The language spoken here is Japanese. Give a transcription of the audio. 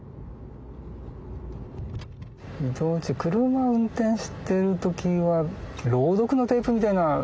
車を運転してる時は朗読のテープみたいなの僕